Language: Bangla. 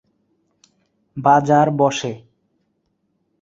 বাজার বসে।